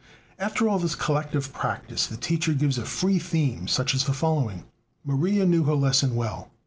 "After all this collective practise the teacher gives a free theme such as the following: 'Maria knew her lesson well.'